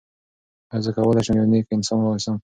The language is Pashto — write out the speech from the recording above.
آیا زه کولی شم یو نېک انسان واوسم؟